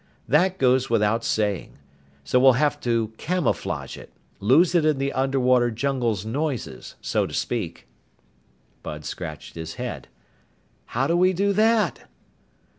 "That goes without saying. So we'll have to camouflage it lose it in the underwater jungle noises, so to speak." Bud scratched his head. "How do we do that?"